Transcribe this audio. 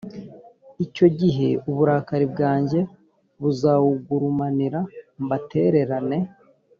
icyo gihe uburakari bwanjye buzawugurumanira, mbatererane.